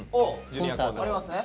あありますね。